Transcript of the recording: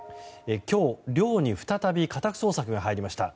今日、寮に再び家宅捜索が入りました。